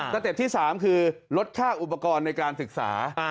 เต็ปที่๓คือลดค่าอุปกรณ์ในการศึกษา